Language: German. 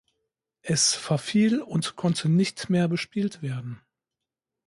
Es verfiel und konnte nicht mehr bespielt werden.